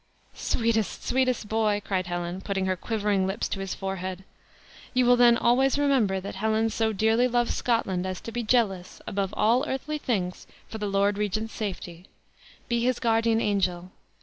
"Sweetest, sweetest boy!" cried Helen, putting her quivering lips to his forehead; "you will then always remember that Helen so dearly loves Scotland as to be jealous, above all earthly things, for the lord regent's safety. Be his guardian angel.